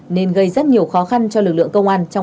nên gây rất nhiều khó khăn cho lực lượng công an